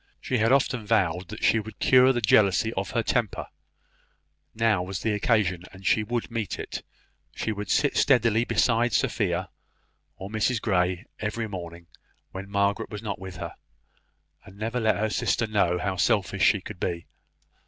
She had often vowed that she would cure the jealousy of her temper; now was the occasion, and she would meet it; she would steadily sit beside Sophia or Mrs Grey every morning, when Margaret was not with her, and never let her sister know how selfish she could be.